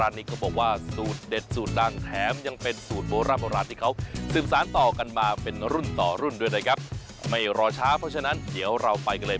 ที่เขาซึมสารต่อกันมาเป็นรุ่นต่อรุ่นด้วยได้ครับไม่รอช้าเพราะฉะนั้นเดี๋ยวเราไปกันเลย